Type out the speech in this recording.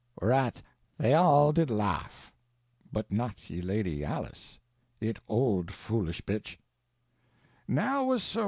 Whereat they alle did laffe, but not ye Lady Alice, yt olde foolish bitche. Now was Sr.